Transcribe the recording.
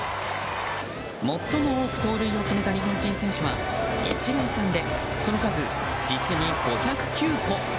最も多く盗塁を決めた日本人選手はイチローさんでその数、実に５０９個。